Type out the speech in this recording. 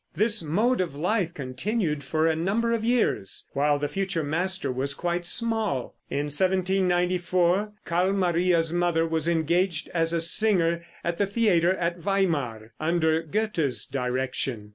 This mode of life continued for a number of years, while the future master was quite small. In 1794 Carl Maria's mother was engaged as a singer at the theater at Weimar, under Goethe's direction.